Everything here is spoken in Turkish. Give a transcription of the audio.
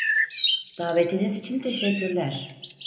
Davetiniz için teşekkürler.